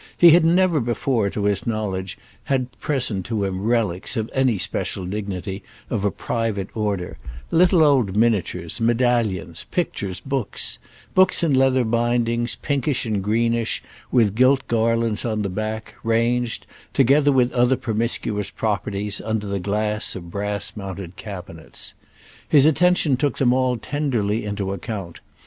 He had never before, to his knowledge, had present to him relics, of any special dignity, of a private order—little old miniatures, medallions, pictures, books; books in leather bindings, pinkish and greenish, with gilt garlands on the back, ranged, together with other promiscuous properties, under the glass of brass mounted cabinets. His attention took them all tenderly into account.